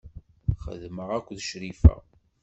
Xeddmeɣ akked Crifa.